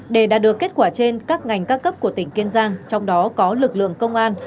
để đạt được kết quả trên các ngành các cấp của tỉnh kiên giang trong đó có lực lượng công an